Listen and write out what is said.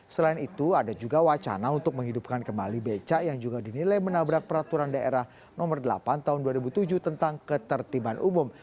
selain itu ada juga wacana untuk menghidupkan kembali becak yang juga dinilai menabrak peraturan daerah nomor delapan tahun dua ribu tujuh tentang ketertiban umum